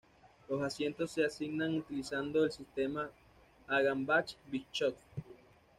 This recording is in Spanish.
Los asientos se asignan utilizando el sistema Hagenbach-Bischoff.